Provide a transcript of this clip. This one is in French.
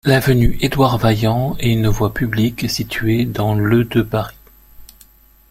L'avenue Édouard-Vaillant est une voie publique située dans le de Paris.